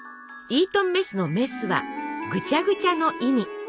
イートンメスの「メス」は「ぐちゃぐちゃ」の意味。